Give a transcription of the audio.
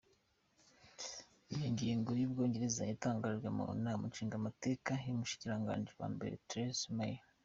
Iyo ngingo y'Ubwongereza yatangarijwe mu nama nshingamateka n'umushikiranganji wa mbere Theresa May.